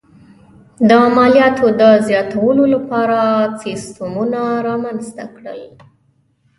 د مالیاتو د زیاتولو لپاره سیستمونه رامنځته کړل.